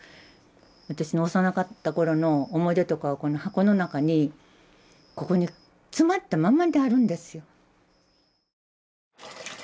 私の幼かったころの思い出とかがこの箱の中にここに詰まったまんまであるんですよ。